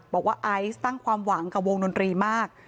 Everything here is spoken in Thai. ไอซ์ตั้งความหวังกับวงดนตรีมาก